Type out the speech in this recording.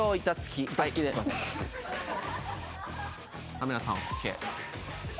カメラさんＯＫ。